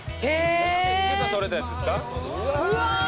今朝捕れたやつですか？